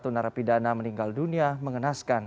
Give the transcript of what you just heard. empat puluh satu narapidana meninggal dunia mengenaskan